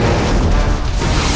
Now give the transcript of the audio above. akan kau menang